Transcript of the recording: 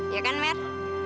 ya kan mer